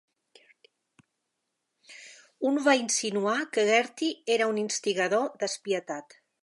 Un va insinuar que Girty era un instigador despietat.